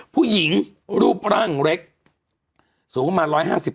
ผู้หญิงรูปร่างเล็กสูงประมาณ๑๕๐